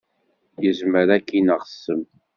Yezmer ad k-ineɣ ssem.